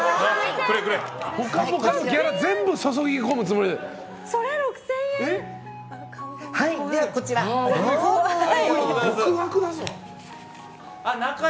「ぽかぽか」のギャラ全部注ぎ込むつもりだよ。